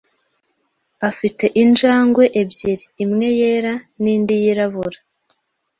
Afite injangwe ebyiri, imwe yera n'indi yirabura.